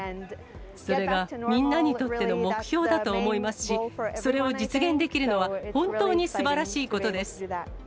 それがみんなにとっての目標だと思いますし、それを実現できるのは本当にすばらしいことです。